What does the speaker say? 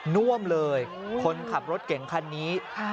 น่วมเลยคนขับรถเก่งคันนี้